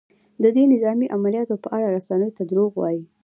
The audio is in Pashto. د دې نظامي عملیاتو په اړه رسنیو ته دروغ وايي؟